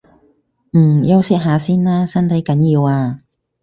嗯，休息下先啦，身體緊要啊